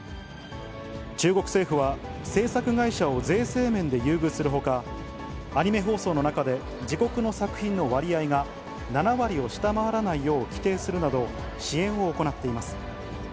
中国政府は、制作会社を税制面で優遇するほか、アニメ放送の中で自国の作品の割合が７割を下回らないよう規定するなど、支援を行っています。